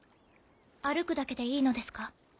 歩くだけでいいのですか？